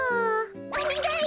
おにがいい！